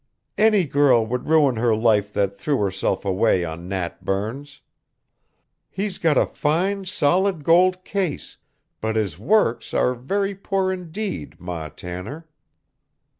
"Any girl would ruin her life that threw herself away on Nat Burns. He's got a fine solid gold case, but his works are very poor indeed, Ma Tanner."